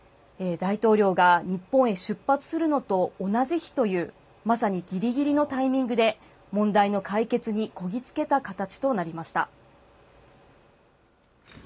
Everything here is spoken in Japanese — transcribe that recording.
大統領が日本へ出発するのと同じ日という、まさにぎりぎりのタイミングで、問題の解決にこぎつけた形となりました。